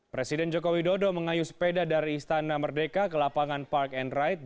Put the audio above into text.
presiden jokowi dodo mengayu sepeda dari istana merdeka ke lapangan park and ride